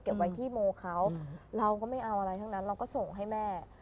ไว้ที่โมเขาเราก็ไม่เอาอะไรทั้งนั้นเราก็ส่งให้แม่